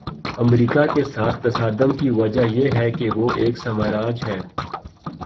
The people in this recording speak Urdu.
امریکہ کے ساتھ تصادم کی وجہ یہ ہے کہ وہ ایک سامراج ہے۔